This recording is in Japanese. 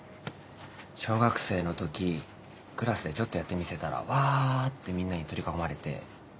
小学生のときクラスでちょっとやってみせたらわってみんなに取り囲まれて。